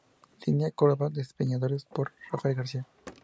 Linea Córdoba-Despeñaderos por Rafael García.